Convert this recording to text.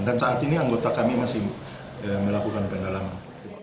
dan saat ini anggota kami masih melakukan pendalaman